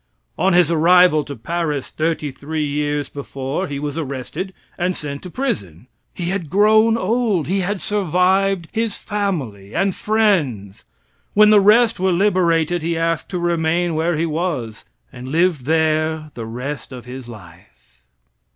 On his arrival to Paris thirty three years before he was arrested and sent to prison. He had grown old. He had survived his family and friends. When the rest were liberated he asked to remain where he was, and lived there the rest of his life.